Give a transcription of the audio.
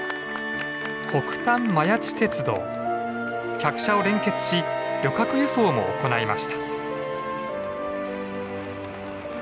客車を連結し旅客輸送も行いました。